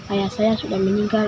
ayah saya sudah meninggal